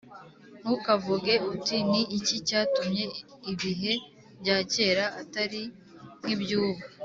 Ntukavuge uti Ni iki cyatumye ibihe bya kera atari nkibyubu